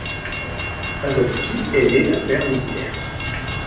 Azolski est né d'un père militaire.